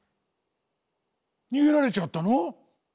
にげられちゃったの？